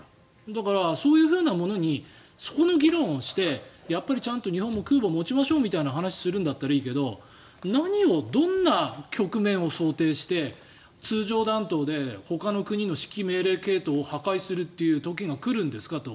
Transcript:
だから、そういうものにそこの議論をしてやっぱりちゃんと日本も空母を持ちましょうみたいな話をするんだったらいいけど何を、どんな局面を想定して通常弾頭でほかの国の指揮命令系統を破壊するっていう時が来るんですかと。